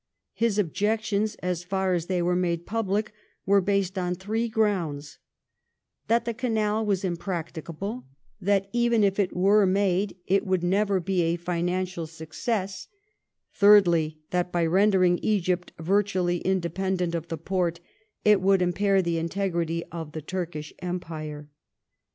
His objections, as far as they were made public, were based on three grounds; that the canal was impracticable; that, even if it were made, it would never be a financial success ; thirdly, that by rendering Egypt virtually independent of the Porte it would impair the integrity of the Tur kish Empire.